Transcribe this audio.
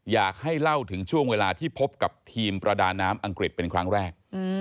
อยากให้เล่าถึงช่วงเวลาที่พบกับทีมประดาน้ำอังกฤษเป็นครั้งแรก